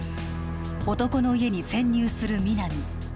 男の家に潜入する皆実